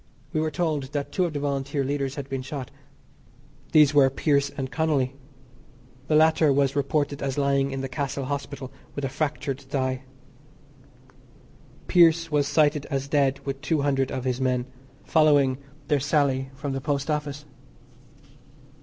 We were told that two of the Volunteer leaders had been shot. These were Pearse and Connolly. The latter was reported as lying in the Castle Hospital with a fractured thigh. Pearse was cited as dead with two hundred of his men, following their sally from the Post Office.